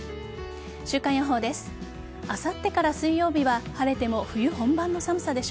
週間予報です。